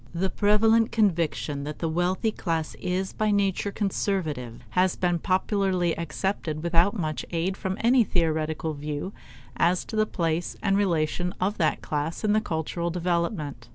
The prevalent conviction that the wealthy class is by nature conservative has been popularly accepted without much aid from any theoretical view as to the place and relation of that class in the cultural development.